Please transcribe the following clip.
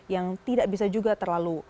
yang tidak bisa juga terlalu